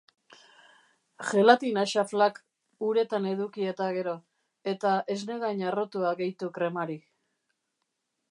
Gelatina xaflak, uretan eduki eta gero, eta esne gain harrotua gehitu kremari.